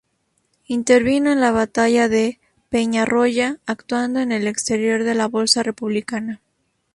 Intervino en la batalla de Peñarroya, actuando en el exterior de la bolsa republicana.